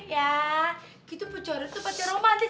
ya gitu pacarnya tuh pacar romantis